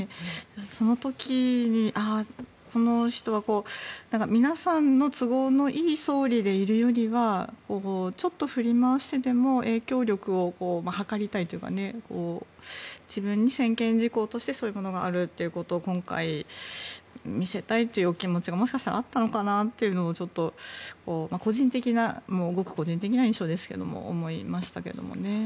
その時にこの人は、皆さんの都合のいい総理でいるよりはちょっと振り回してでも影響力を図りたいというか自分に専権事項としてそういうものがあるということを今回見せたいというお気持ちがもしかしたらあったのかなとちょっとごく個人的な印象ですけども思いましたけどね。